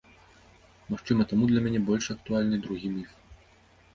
Магчыма, таму для мяне больш актуальны другі міф.